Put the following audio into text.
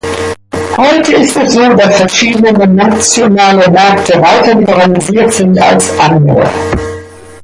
Heute ist es so, dass verschiedene nationale Märkte weiter liberalisiert sind als andere.